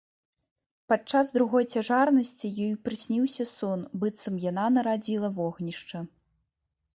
Падчас другой цяжарнасці ёй прысніўся сон, быццам яна нарадзіла вогнішча.